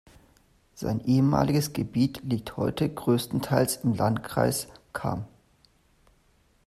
Sein ehemaliges Gebiet liegt heute größtenteils im Landkreis Cham.